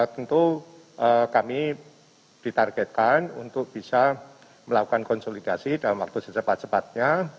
tentu kami ditargetkan untuk bisa melakukan konsolidasi dalam waktu secepat cepatnya